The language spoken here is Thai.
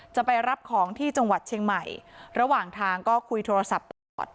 จะไปรับของที่จังหวัดเชียงใหม่ระหว่างทางก็คุยโทรศัพท์ตลอด